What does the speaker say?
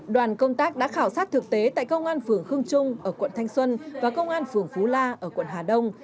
đoàn công tác đã khảo sát thực tế tại công an phường khương trung ở quận thanh xuân và công an phường phú la ở quận hà đông